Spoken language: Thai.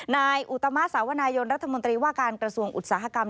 นายอุตมะสาวนายนรัฐมนตรีว่าการกระทรวงอุตสาหกรรม